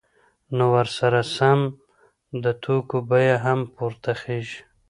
نو ورسره سم د توکو بیه هم پورته خیژي